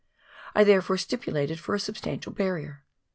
I therefore stipulated for a substantial barrier.